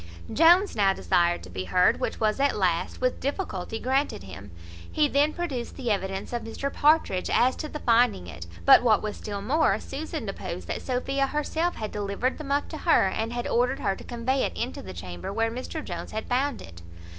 Jones now desired to be heard, which was at last, with difficulty, granted him. He then produced the evidence of Mr Partridge, as to the finding it; but, what was still more, Susan deposed that Sophia herself had delivered the muff to her, and had ordered her to convey it into the chamber where Mr Jones had found it.